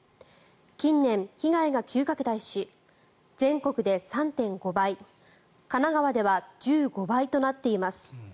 近年、被害が急拡大し全国で３．５倍神奈川では１５倍となっています。